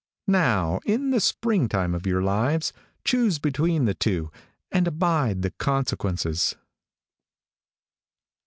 Now, in the spring time of your lives, choose between the two, and abide the consequences.